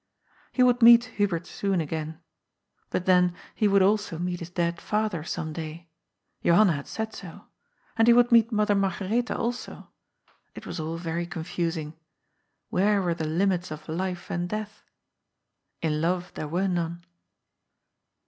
He would meet Hubert soon again. But, then, he would also meet his dead father some day. Johanna had said so. And he would meet Mother Margaretha also. It was all very confusing. Where were the limits of life and death? In love there were none.